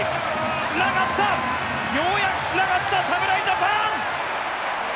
つながったようやくつながった侍ジャパン。